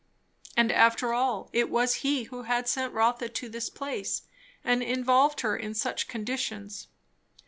And after all it was He who had sent Rotha to this place and involved her in such conditions.